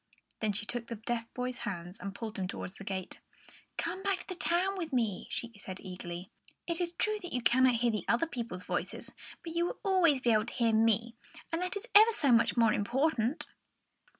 Then she took the deaf boy's hands and pulled him towards the gate. "Come back to the town with me," she said eagerly. "It is true that you cannot hear the other people's voices; but you will always be able to hear me, and that is ever so much more important!"